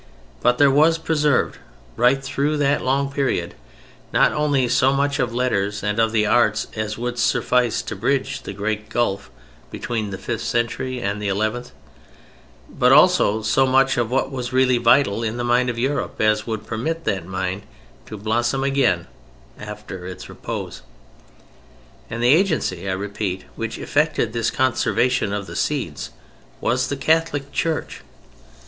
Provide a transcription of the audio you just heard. But there was preserved, right through that long period, not only so much of letters and of the arts as would suffice to bridge the great gulf between the fifth century and the eleventh, but also so much of what was really vital in the mind of Europe as would permit that mind to blossom again after its repose. And the agency, I repeat, which effected this conservation of the seeds, was the Catholic Church.